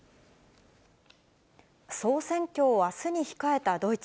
総選挙をあすに控えたドイツ。